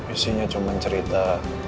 isinya cuma cerita